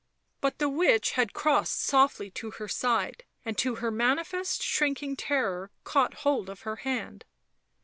But the witch had crossed softly to her side, and, to her manifest shrinking terror, caught hold of her hand.